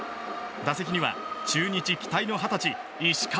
打席には中日期待の二十歳石川